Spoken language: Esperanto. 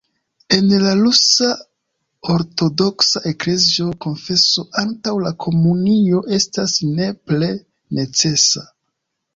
En la Rusa Ortodoksa Eklezio konfeso antaŭ la komunio estas nepre necesa.